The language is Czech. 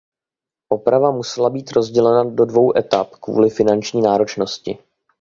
Oprava musela být rozdělena do dvou etap kvůli finanční náročnosti.